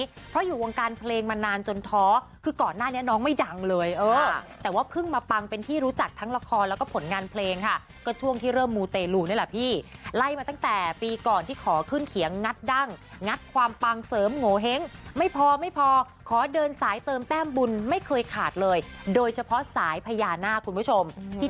เพราะอยู่วงการเพลงมานานจนท้อคือก่อนหน้านี้น้องไม่ดังเลยเออแต่ว่าเพิ่งมาปังเป็นที่รู้จักทั้งละครแล้วก็ผลงานเพลงค่ะก็ช่วงที่เริ่มมูเตลูนี่แหละพี่ไล่มาตั้งแต่ปีก่อนที่ขอขึ้นเขียงงัดดั้งงัดความปังเสริมโงเห้งไม่พอไม่พอขอเดินสายเติมแต้มบุญไม่เคยขาดเลยโดยเฉพาะสายพญานาคคุณผู้ชมที่